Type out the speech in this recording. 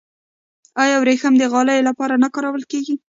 آیا وریښم د غالیو لپاره نه کارول کیږي؟